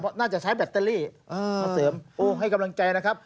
น่าจะใช้แบตเตอรี่มาเสริมโอ้ให้กำลังใจนะครับ